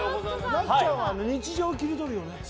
なっちゃんは日常を切り取るよね。